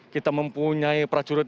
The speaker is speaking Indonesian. kita mempunyai prajurit